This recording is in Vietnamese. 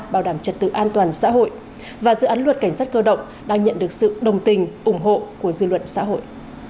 bảo đảm trật tự an toàn xã hội và dự án luật cảnh sát cơ động đang nhận được sự đồng tình ủng hộ của dư luận xã hội